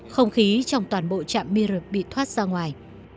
không khí trong toàn bộ chạm mir bị thoát ra ngoài